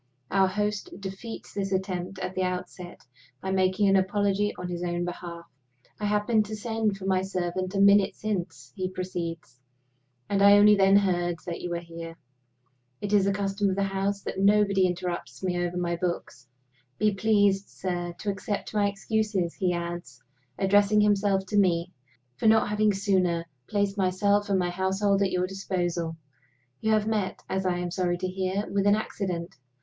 Our host defeats the attempt at the outset by making an apology on his own behalf. "I happened to send for my servant a minute since," he proceeds, "and I only then heard that you were here. It is a custom of the house that nobody interrupts me over my books. Be pleased, sir, to accept my excuses," he adds, addressing himself to me, "for not having sooner placed myself and my household at your disposal. You have met, as I am sorry to hear, with an accident.